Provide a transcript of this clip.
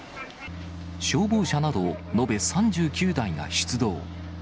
消防車など延べ３９台が出動。